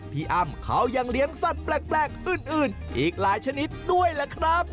อ้ำเขายังเลี้ยงสัตว์แปลกอื่นอีกหลายชนิดด้วยล่ะครับ